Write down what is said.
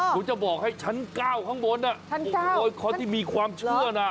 ผมจะบอกให้ชั้น๙ข้างบนคนที่มีความเชื่อนะ